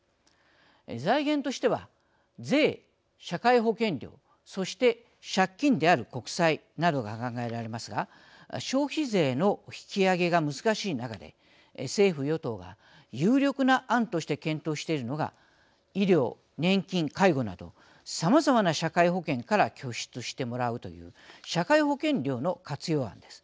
財源としては税社会保険料そして借金である国債などが考えられますが消費税の引き上げが難しい中で政府・与党が有力な案として検討しているのが医療年金介護などさまざまな社会保険から拠出してもらうという社会保険料の活用案です。